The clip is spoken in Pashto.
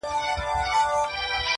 ډېر ژور سمبول دی